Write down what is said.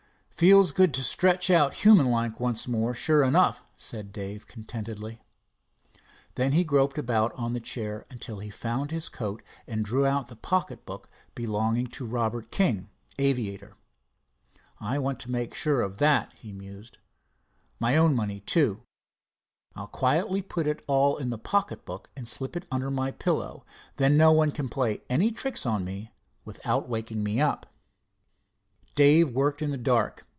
"Feels good to stretch out human like once more, sure enough," said Dave contentedly. Then he groped about on the chair until he found his coat and drew out the pocket book belonging to Robert King, Aviator. "I want to make sure of that," he mused. "My own money, too. I'll quietly put it all in the pocket book and slip it under my pillow. Then no one can play any tricks on me without waking me up." Dave worked in the dark.